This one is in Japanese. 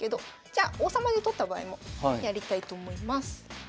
じゃあ王様で取った場合もやりたいと思います。